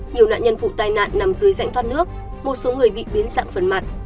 nhiều nạn nhân vụ tai nạn nằm dưới dạng thoát nước một số người bị biến dạng phần mặt